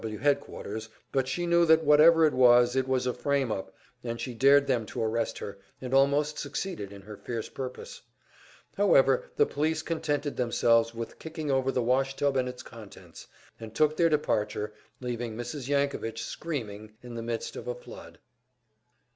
W. headquarters, but she knew that whatever it was, it was a frame up, and she dared them to arrest her, and almost succeeded in her fierce purpose. However, the police contented themselves with kicking over the washtub and its contents, and took their departure, leaving Mrs. Yankovitch screaming in the midst of a flood.